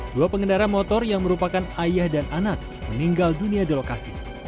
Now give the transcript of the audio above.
dua pengendara motor yang merupakan ayah dan anak meninggal dunia di lokasi